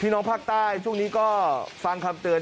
น้องภาคใต้ช่วงนี้ก็ฟังคำเตือน